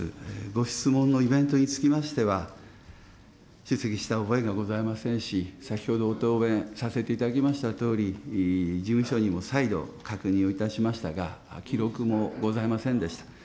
ご質問のイベントにつきましては、した覚えがございませんし、先ほどご答弁させていただきましたとおり、事務所にも再度、確認をいたしましたが、記録もございませんでした。